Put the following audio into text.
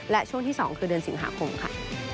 และช่วงที่๒คือเดือนสิงหาคมค่ะ